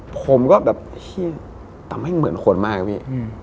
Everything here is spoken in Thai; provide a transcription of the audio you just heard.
ผมก็แบบทำให้เหมือนคนมากนะพี่